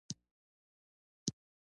غټ سترخوان داتفاق نښه ده.